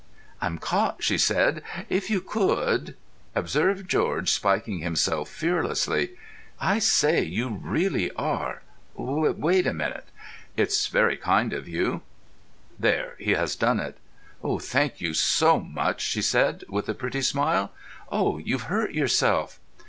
"I'm caught," she said. "If you could——" Observe George spiking himself fearlessly. "I say, you really are! Wait a moment." "It's very kind of you." There—he has done it. "Thank you so much," she said, with a pretty smile. "Oh, you've hurt yourself!"